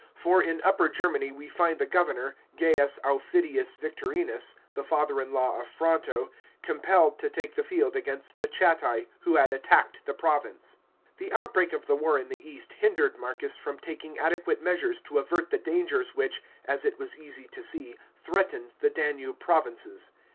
For in Upper Germany we find the governor, Gains Aufidius Victorinus, the father in law of Front* >, compelled to take the field against the Chatti, who had attacked the province. The outbreak of the war in the east hindered Marcus from taking adequate measures to avert the dangers which, as it was easy to sec, threatened the Danube provinces.